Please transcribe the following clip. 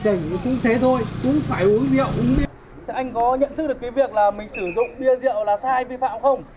anh có nhận thức được việc mình sử dụng bia rượu là sai vi phạm không